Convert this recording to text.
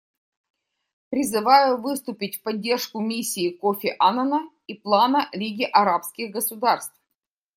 Призываю выступить в поддержку миссии Кофи Аннана и плана Лиги арабских государств.